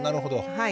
はい。